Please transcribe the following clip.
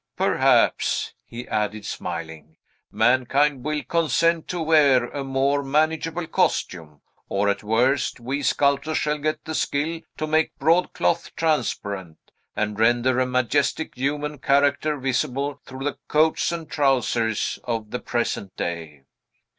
Perhaps," he added, smiling, "mankind will consent to wear a more manageable costume; or, at worst, we sculptors shall get the skill to make broadcloth transparent, and render a majestic human character visible through the coats and trousers of the present day."